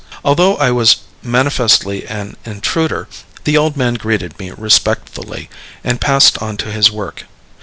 Although I was manifestly an intruder, the old man greeted me respectfully, and passed on to his work.